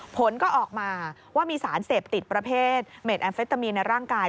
ผลก็ออกมาว่ามีสารเสพติดประเภทเมดแอมเฟตามีนในร่างกาย